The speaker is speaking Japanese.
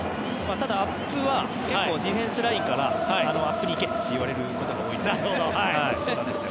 ただ、アップはディフェンスラインからアップに行けということを言われることが多いです。